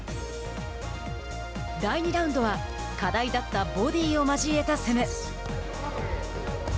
第２ラウンドは、課題だったボディーを交えた攻め。